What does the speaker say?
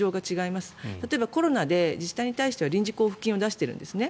例えばコロナで自治体に対しては臨時交付金を出しているんですね。